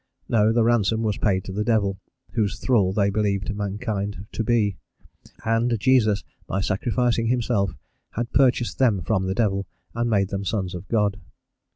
No, the ransom was paid to the devil, whose thrall they believed mankind to be, and Jesus, by sacrificing himself, had purchased them from the devil and made them sons of God.